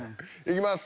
いきます。